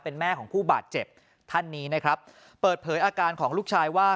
เป็นแม่ของผู้บาดเจ็บท่านนี้นะครับเปิดเผยอาการของลูกชายว่า